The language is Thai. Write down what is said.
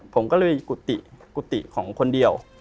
ผมก็เลยกุฏิกุฏิของคนเดียว